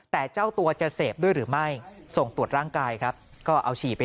แต่เจ้าตัวจะเสพด้วยหรือไม่ส่งตรวจร่างกายครับก็เอาฉี่ไป